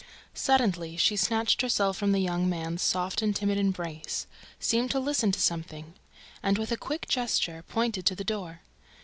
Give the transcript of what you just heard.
Suddenly, she snatched herself from the young man's soft and timid embrace, seemed to listen to something, and, with a quick gesture, pointed to the door.